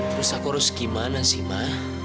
terus aku harus gimana sih ma